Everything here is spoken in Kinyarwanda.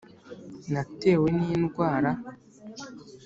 natewe n’indwara